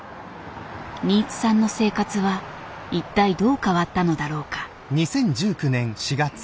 新津さんの生活は一体どう変わったのだろうか。